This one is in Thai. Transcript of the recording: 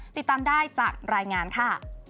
ติดตามได้จากรายงานค่ะ